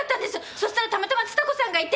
そしたらたまたまつた子さんがいて！